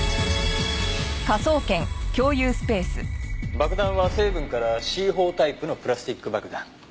爆弾は成分からＣ４タイプのプラスチック爆弾。